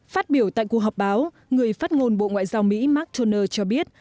phát biểu tại cuộc họp báo người phát ngôn bộ ngoại giao mỹ mark turner cho biết